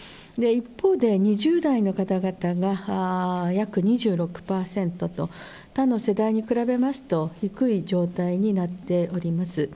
一方で、２０代の方々が約２６％と、他の世代に比べますと、低い状態になっております。